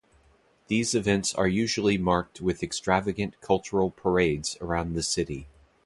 These events are usually marked with extravagant cultural parades around the city.